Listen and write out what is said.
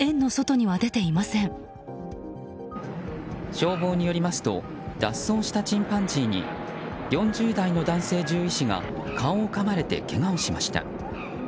消防によりますと脱走したチンパンジーに４０代の男性獣医師が顔をかまれて、けがをしました。